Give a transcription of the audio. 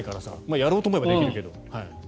やろうと思えばできるけど。